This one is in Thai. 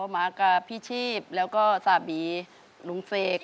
มากับพี่ชีพแล้วก็สามีลุงเสก